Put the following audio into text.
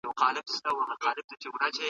زه به څنګه د پېغلوټو د پېزوان کیسه کومه